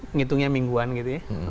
ngitungnya mingguan gitu ya